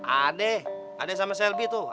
ada ada sama selby tuh